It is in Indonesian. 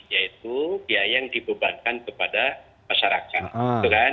yaitu biaya yang dibebankan kepada masyarakat